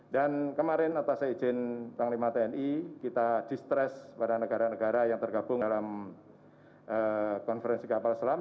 dan kemarin atas izin panglima tni kita distres kepada negara negara yang tergabung dalam konferensi kapal selam